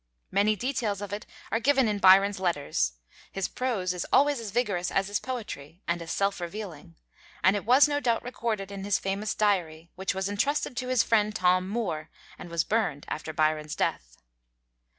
Many details of it are given in Byron's letters, his prose is always as vigorous as his poetry, and as self revealing, and it was no doubt recorded in his famous Diary, which was intrusted to his friend Tom Moore, and was burned after Byron's death.